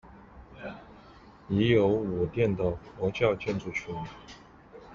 已有五殿的佛教建筑群。